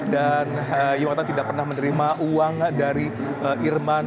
dan dia mengatakan tidak pernah menerima uang dari irman